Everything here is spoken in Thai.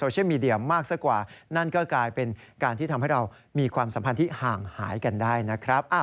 จะทำให้เรามีความสัมพันธ์ที่ห่างหายกันได้นะครับ